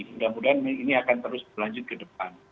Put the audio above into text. mudah mudahan ini akan terus berlanjut ke depan